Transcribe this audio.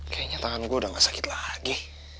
kayaknya tangan gua udah nggak sakit lagi